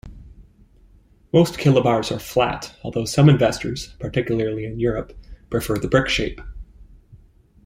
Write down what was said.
Most kilobars are flat, although some investors, particularly in Europe, prefer the brick shape.